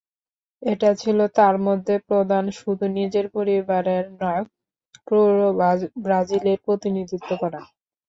এটা ছিল তার মধ্যে প্রধান-শুধু নিজের পরিবারের নয়, পুরো ব্রাজিলের প্রতিনিধিত্ব করা।